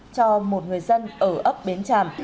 cho một người dân ở ấp bến tràm